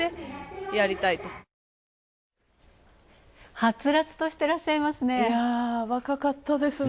はつらつとしていらっしゃいますね。